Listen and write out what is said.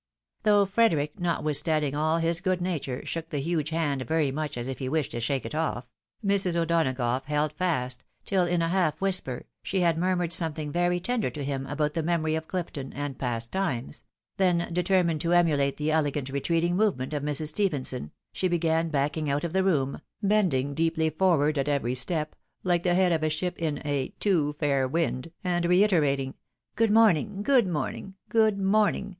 185 Thougli Frederic, notwithstanding all his good nature, shook the huge hand very much as if he wished to shake it off, Mrs. O'Donagough held fast, till in a half whisper, she had miirmured something very tender to him about the memory of Chfton, and past times — then determined to emulate the elegant retreating movement of Mrs. Stejihenson, she began backing out of the room, bending deeply forward at every step, like the head of a ship in a too fair wind, and reiterating " Good morning 1 good morning I good morning